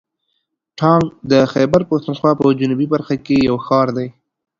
ټانک د خیبر پښتونخوا په جنوبي برخه کې یو ښار دی.